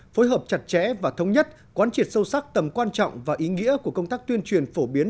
phối hợp chặt chẽ và thống nhất quán triệt sâu sắc tầm quan trọng và ý nghĩa của công tác tuyên truyền phổ biến